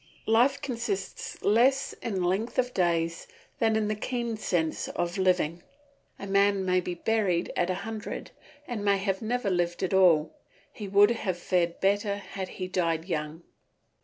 Life consists less in length of days than in the keen sense of living. A man maybe buried at a hundred and may never have lived at all. He would have fared better had he died young.